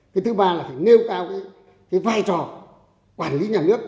cái thứ ba là phải nêu cao cái vai trò quản lý nhà nước